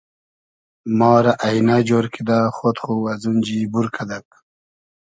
ما رۂ اݷنۂ جۉر کیدۂ خۉد خو ازونجی بور کئدئگ